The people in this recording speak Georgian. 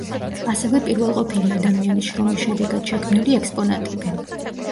ასევე პირველყოფილი ადამიანის შრომის შედეგად შექმნილი ექსპონატები.